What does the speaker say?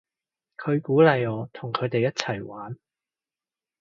佢鼓勵我同佢哋一齊玩